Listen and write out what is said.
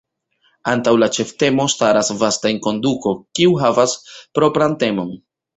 Antaŭ la ĉeftemo staras vasta enkonduko, kiu havas propran temon.